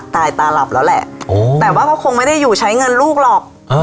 ตาหลับแล้วแหละแต่ว่าเขาคงไม่ได้อยู่ใช้เงินลูกหรอก